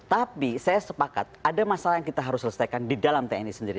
tapi saya sepakat ada masalah yang kita harus selesaikan di dalam tni sendiri